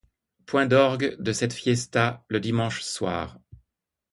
Point d'orgue de cette fiesta, le dimanche soir.